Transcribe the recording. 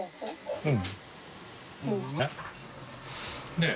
うん。